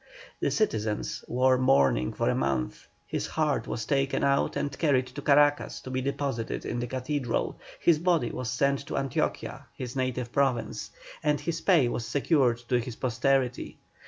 The citizens wore mourning for a month; his heart was taken out and carried to Caracas to be deposited in the Cathedral, his body was sent to Antioquia, his native province, and his pay was secured to his posterity.